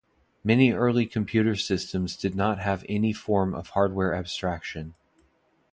Many early computer systems did not have any form of hardware abstraction.